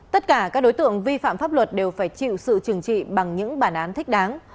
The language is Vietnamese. tất cả các đối tượng vi phạm pháp luật đều phải chịu sự trừng trị bằng những bản án thích đáng